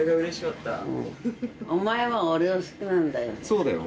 そうだよ。